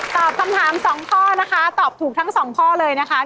ตอบคำถาม๒ข้อนะคะตอบถูกทั้งสองข้อเลยนะคะ